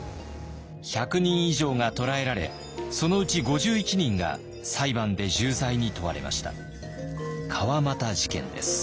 １００人以上が捕らえられそのうち５１人が裁判で重罪に問われました。